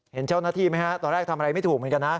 เห็นเจ้าหน้าที่ไหมฮะตอนแรกทำอะไรไม่ถูกเหมือนกันนะ